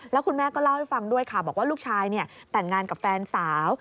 แล้วคุณแม่ก็เล่าให้ฟังด้วยค่ะบอกว่าลูกชายแต่งงานกับแฟนสาว